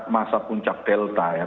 masa puncak delta ya